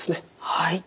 はい。